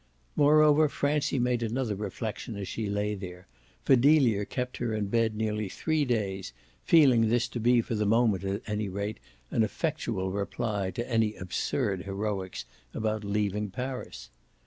Moreover Francie made another reflexion as she lay there for Delia kept her in bed nearly three days, feeling this to be for the moment at any rate an effectual reply to any absurd heroics about leaving Paris.